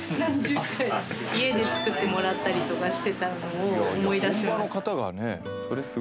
家で作ってもらったりしてたのを思い出します。